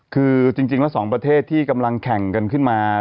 คือจริงแล้วสองประเทศที่กำลังแข่งกันขึ้นมา